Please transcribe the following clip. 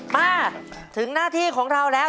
มาถึงหน้าที่ของเราแล้ว